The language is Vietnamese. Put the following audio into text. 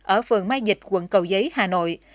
ở phường mai dịch quận cầu giấy hà nội